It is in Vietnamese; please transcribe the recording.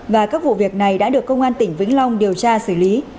và các vụ việc này đã được công an tỉnh vĩnh long điều tra xử lý